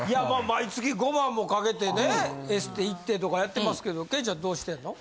毎月５万もかけてねエステ行ってとかやってますけどケイちゃんどうしてんの？